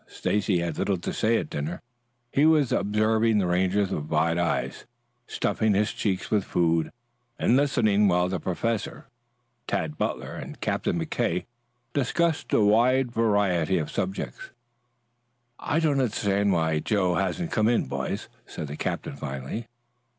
Stacy had little to say at dinner. He was observing the Rangers with wide eyes, stuffing his cheeks with food and listening while the professor, Tad Butler and Captain McKay discussed a variety of subjects. "I don't understand why Joe hasn't come in, boys," said the captain finally.